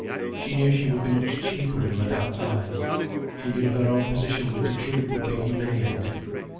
She knew she would be much cheaper in Madame's eyes. She knew her own position with the troupe would be humiliating.